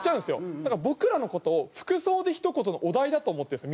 だから僕らの事を「服装でひと言」のお題だと思ってるんですよ